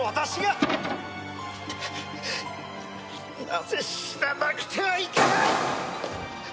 なぜ死ななくてはいけない！